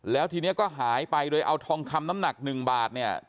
แล้วทีนี้ก็หายไปโดยเอาทองคำน้ำหนัก๑บาทเนี่ย